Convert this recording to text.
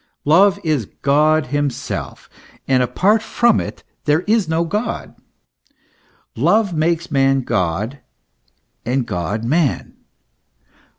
Love is God himself, and apart from it there is no God. Love makes man God, and God man.